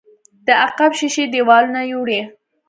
د عقب ښيښې دېوالونو يوړې.